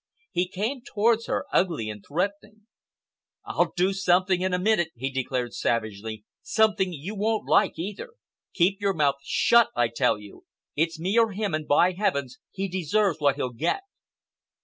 He came towards her—ugly and threatening. "I'll do something in a minute," he declared savagely,—"something you won't like, either. Keep your mouth shut, I tell you. It's me or him, and, by Heavens, he deserves what he'll get!"